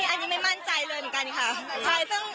อันนี้ไม่มั่นใจเลยเหมือนกันค่ะ